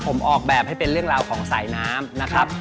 ผมออกแบบให้เป็นเรื่องราวของสายน้ำนะครับ